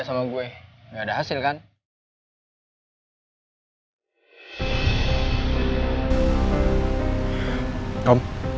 sampai jumpa di video selanjutnya